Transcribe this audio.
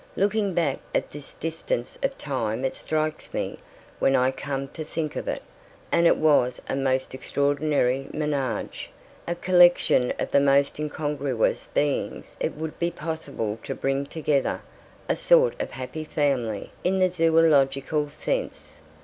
Looking back at this distance of time it strikes me when I come to think of it, that it was a most extraordinary menage, a collection of the most incongruous beings it would be possible to bring together a sort of Happy Family in the zoological sense.